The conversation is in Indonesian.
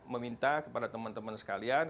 meminta kepada teman teman sekalian